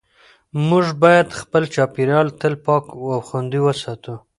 موږ باید خپل چاپېریال تل پاک او خوندي وساتو